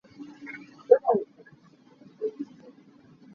Kaan tuk hna.